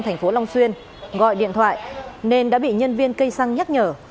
thành phố long xuyên gọi điện thoại nên đã bị nhân viên cây xăng nhắc nhở